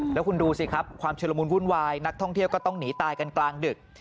แล้วคุณดูสิครับความชุดละมุนวุ่นวายนักท่องเที่ยวก็ต้องหนีตายกันกลางดึก